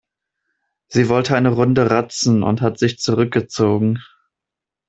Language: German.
Sie wollte eine Runde ratzen und hat sich zurückgezogen.